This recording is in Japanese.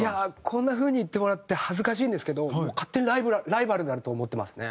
こんな風に言ってもらって恥ずかしいんですけど勝手にライバルであると思ってますね。